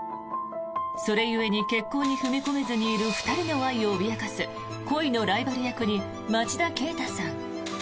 それ故に結婚に踏み込めずにいる２人の愛を脅かす恋のライバル役に町田啓太さん。